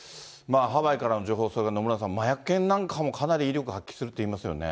ハワイからの情報、それから野村さん、麻薬犬なんかも、かなり威力発揮するっていいますよね。